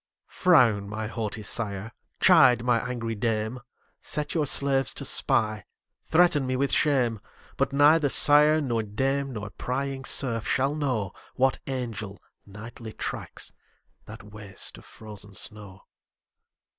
Frown, my haughty sire! chide, my angry dame! Set your slaves to spy; threaten me with shame: But neither sire nor dame, nor prying serf shall know, What angel nightly tracks that waste of frozen snow.